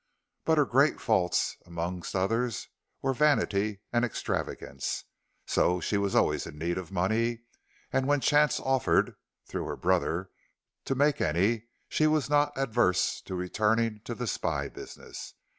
But her great faults amongst others were vanity and extravagance, so she was always in need of money, and when chance offered, through her brother, to make any, she was not averse to returning to the spy business.